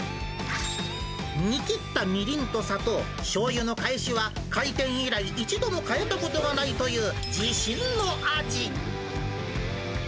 煮切ったみりんと砂糖、しょうゆのかえしは、開店以来、一度も変えたことがないという自信の味。